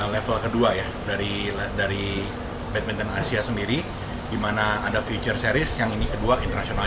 level kedua dari badminton asia sendiri dimana ada feature series yang ini kedua international